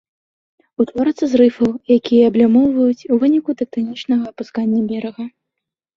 Утворацца з рыфаў, якія аблямоўваюць, у выніку тэктанічнага апускання берага.